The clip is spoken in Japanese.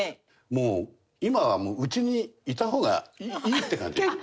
もう今は家にいた方がいいって感じ？